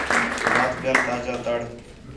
نات ٻِیال تاجا تڑ